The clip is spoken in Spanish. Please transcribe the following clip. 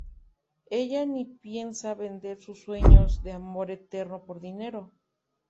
Ella ni piensa vender sus sueños de amor eterno por dinero.